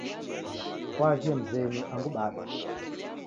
Kwaaghie mzenyu angu bado?